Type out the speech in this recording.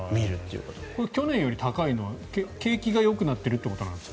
これは去年より高いのは景気がよくなってるということですか？